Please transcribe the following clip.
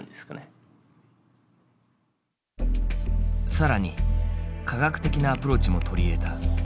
更に科学的なアプローチも取り入れた。